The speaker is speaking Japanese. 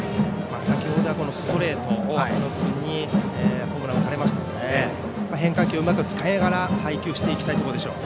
先程はストレートを浅野君にホームランを打たれましたので変化球をうまく使いながら配球していきたいところでしょう。